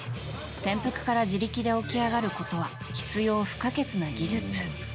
転覆から自力で起き上がることは必要不可欠な技術。